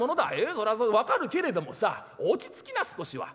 分かるけれどもさ落ち着きな少しは。